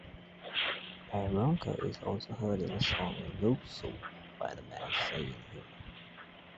Waronker is also heard in the song "No Soul" by the band Say Anything.